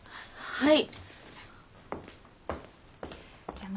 はい。